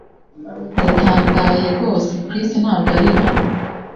Ndatangaye rwose Chris ntabwo ari hano